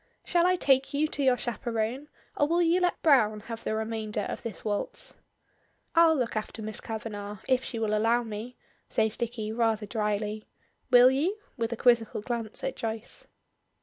Shall I take you to your chaperone, or will you let Browne have the remainder of this waltz?" "I'll look after Miss Kavanagh, if she will allow me," says Dicky, rather drily. "Will you?" with a quizzical glance at Joyce.